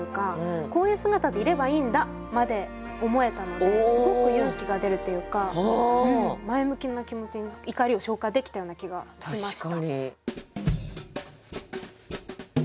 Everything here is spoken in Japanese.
「こういう姿でいればいいんだ」まで思えたのですごく勇気が出るというか前向きな気持ちに怒りを昇華できたような気がしました。